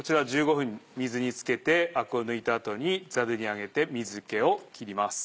分水につけてアクを抜いた後にザルに上げて水気を切ります。